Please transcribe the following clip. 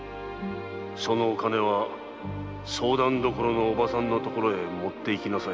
そのお金は“相談処”のおばさんのところへ持って行きなさい。